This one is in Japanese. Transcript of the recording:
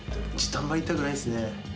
あんまり言いたくないですね。